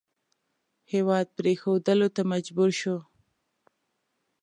هېواد پرېښودلو ته مجبور شو.